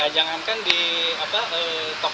jangankan di tokoh